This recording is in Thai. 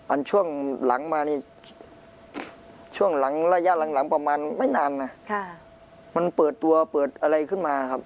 ช่วงหลังมานี่ช่วงหลังระยะหลังประมาณไม่นานนะมันเปิดตัวเปิดอะไรขึ้นมาครับ